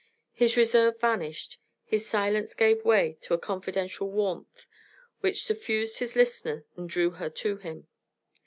His reserve vanished, his silence gave way to a confidential warmth which suffused his listener and drew her to him.